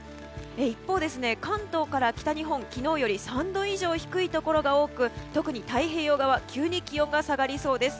一方、関東から北日本、昨日より３度以上低いところが多く特に太平洋側は急に気温が下がりそうです。